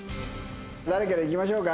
誰からいきましょうか？